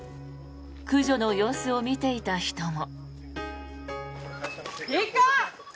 駆除の様子を見ていた人も。